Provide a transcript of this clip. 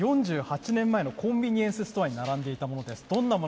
今から４８年前のコンビニエンスストアに並んでいたものです。